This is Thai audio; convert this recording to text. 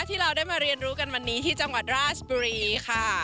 ที่เราได้มาเรียนรู้กันวันนี้ที่จังหวัดราชบุรีค่ะ